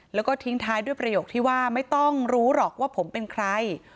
แล้วก็ทิ้งท้ายด้วยประโยคที่ว่าไม่ต้องรู้หรอกว่าผมเป็นใคร